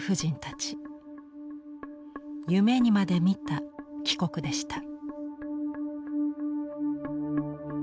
夢にまで見た帰国でした。